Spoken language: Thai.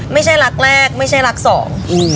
ไม่ใช่รักแรกไม่ใช่รักสองอืม